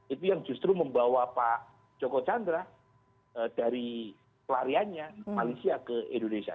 itu yang justru membawa pak joko chandra dari pelariannya malaysia ke indonesia